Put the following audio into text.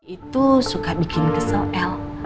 itu suka bikin kesel el